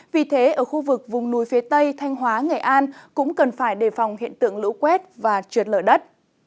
vì thế ở khu vực vùng núi phía tây thanh hóa nghệ an cũng cần phải đề phòng hiện tượng lũ quét và trượt lở đất